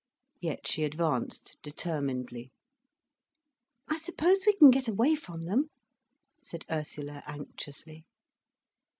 Yet she advanced determinedly. "I suppose we can get away from them," said Ursula anxiously.